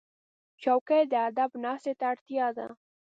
چوکۍ د ادب ناستې ته اړتیا ده.